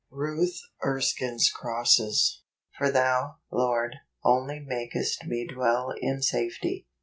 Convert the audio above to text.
" Ruth Erskine's Crosses. " For thou , Lord , only makest me dicell in safety."